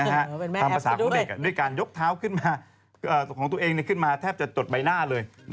ทำประสาทของเด็กด้วยการยกเท้าของตัวเองขึ้นมาแทบจะตดใบหน้าเลย